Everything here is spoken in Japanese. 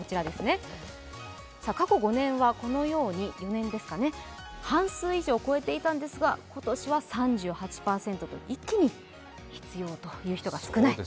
過去５年はこのように半数以上を超えていたんですが今年は３８％と一気に必要という人が少ない。